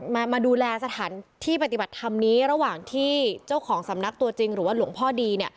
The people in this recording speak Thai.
มาดูแลสถานที่ปฏิบัติธรรมนี้ระหว่างที่เจ้าของสำนักตัวจริงหรือว่าหลวงพ่อดีเนี่ย